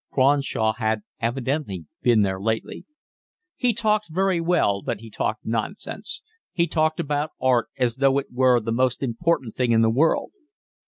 Cronshaw had evidently been there lately. "He talked very well, but he talked nonsense. He talked about art as though it were the most important thing in the world."